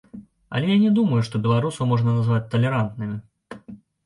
Але я не думаю, што беларусаў можна назваць талерантнымі.